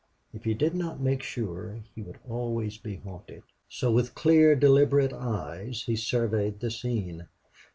If he did not make sure he would always be haunted. So with clear, deliberate eyes he surveyed the scene.